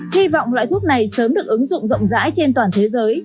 hy vọng loại thuốc này sớm được ứng dụng rộng rãi trên toàn thế giới